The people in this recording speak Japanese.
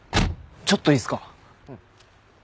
ちょっといいっすか？